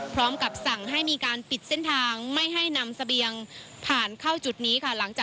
พร้อมกับสั่งให้มีการปิดเส้นทางไม่ให้นำเสบียงผ่านเข้าจุดนี้ค่ะหลังจาก